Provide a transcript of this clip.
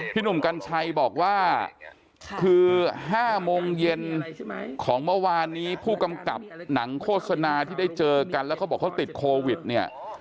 หนุ่มกัญชัยบอกว่าคือ๕โมงเย็นของเมื่อวานนี้ผู้กำกับหนังโฆษณาที่ได้เจอกันแล้วเขาบอกเขาติดโควิดเนี่ย